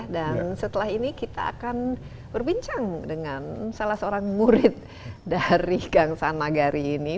dan setelah ini kita akan berbincang dengan salah seorang murid dari kang sang nagari ini